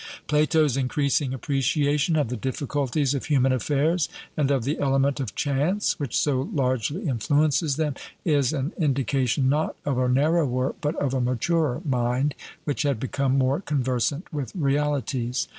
Plato's increasing appreciation of the difficulties of human affairs, and of the element of chance which so largely influences them, is an indication not of a narrower, but of a maturer mind, which had become more conversant with realities.